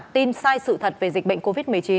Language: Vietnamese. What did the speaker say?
tin sai sự thật về dịch bệnh covid một mươi chín